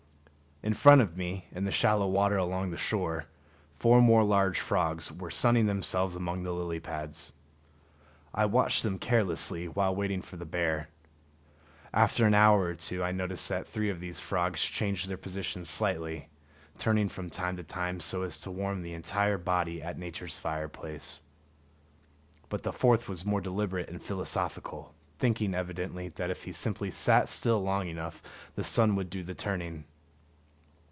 In front of me, in the shallow water along shore, four more large frogs were sunning themselves among the lily pads. I watched them carelessly while waiting for the bear. After an hour or two I noticed that three of these frogs changed their positions slightly, turning from time to time so as to warm the entire body at nature's fireplace. But the fourth was more deliberate and philosophical, thinking evidently that if he simply sat still long enough the sun would do the turning.